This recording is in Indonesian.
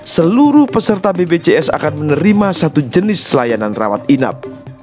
seluruh peserta bpjs akan menerima satu jenis layanan rawat inap